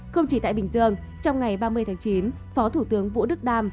không chỉ tại bình dương trong ngày ba mươi tháng chín phó thủ tướng vũ đức đam